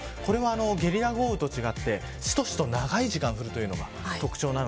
ゲリラ豪雨と違ってしとしと長い時間降るのが特徴です。